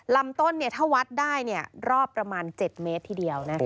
ลำต้นถ้าวัดได้รอบประมาณ๗เมตรทีเดียว